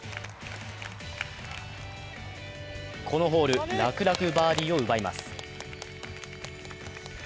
このホール、楽々バーディーを奪います。